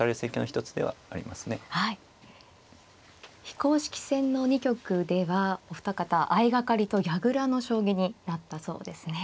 非公式戦の２局ではお二方相掛かりと矢倉の将棋になったそうですね。